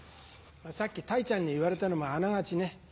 さっきたいちゃんに言われたのもあながちね。